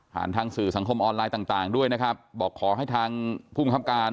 ทางสื่อสังคมออนไลน์ต่างต่างด้วยนะครับบอกขอให้ทางภูมิครับการ